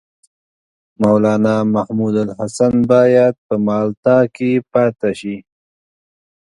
مولنا محمودالحسن باید په مالټا کې پاته شي.